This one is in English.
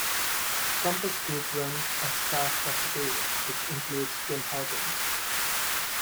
Compass Group runs a staff cafeteria, which includes Tim Hortons.